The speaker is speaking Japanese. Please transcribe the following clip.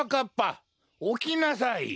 おきなさい！